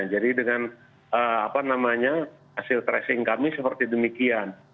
jadi dengan hasil tracing kami seperti demikian